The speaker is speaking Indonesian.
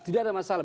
tidak ada masalah